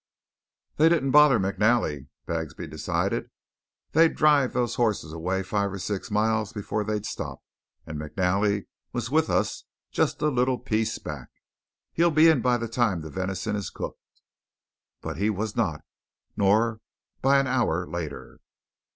"They didn't bother McNally," Bagsby decided. "They'd drive those hosses away five or six miles before they'd stop; and McNally was with us just a little piece back. He'll be in by the time the venison is cooked." But he was not; nor by an hour later.